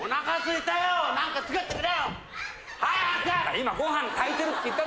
今ご飯炊いてるって言っただろ？